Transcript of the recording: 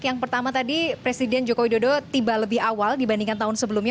yang pertama tadi presiden joko widodo tiba lebih awal dibandingkan tahun sebelumnya